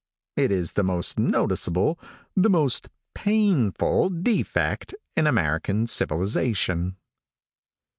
It is the most noticeable, the most painful defect in American civilization."